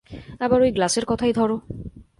আবার ঐ গ্লাসের কথাই ধর।